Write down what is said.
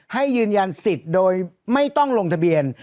ให้ยืนยันสิทธิ์โดยไม่ต้องลงทะเบียน